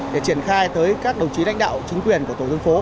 để triển khai tới các đồng chí lãnh đạo chính quyền của tổ dân phố